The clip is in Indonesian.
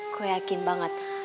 gue yakin banget